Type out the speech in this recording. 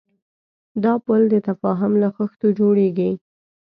دا پُل د تفاهم له خښتو جوړېږي.